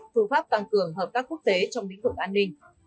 phương pháp tăng cường hợp tác quốc tế trong lĩnh vực an ninh